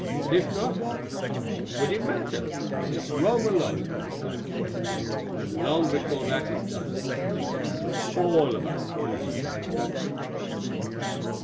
But if not, what would it matter, since Rome alone can decide the question, and long before that is done the fates of all of us will be settled."